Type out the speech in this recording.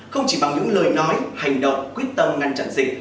không chỉ bằng những lời nói hành động quyết tâm ngăn chặn dịch